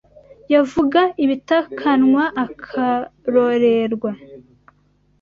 Yavuga ibitakanwa akarorerwa